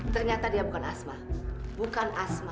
ternyata dia bukan asma